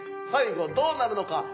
最後どうなるのか？